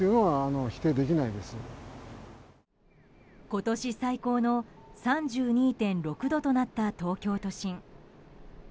今年最高の３２．６度となった東京都心。